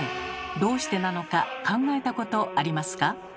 どうしてなのか考えたことありますか？